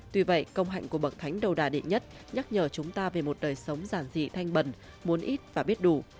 tuy vậy công hạnh của bậc thánh đầu đà đệ nhất nhắc nhở chúng ta về một đời sống giản dị thanh bần muốn ít và biết đủ